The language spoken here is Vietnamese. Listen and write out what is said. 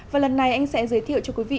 và lần này anh sẽ giới thiệu cho quý vị